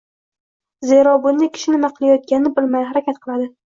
Zero bunda kishi nima qilayotganini bilmay harakat qiladi.